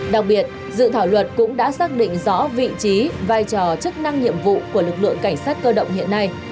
đặc biệt dự thảo luật cũng đã xác định rõ vị trí vai trò chức năng nhiệm vụ của lực lượng cảnh sát cơ động hiện nay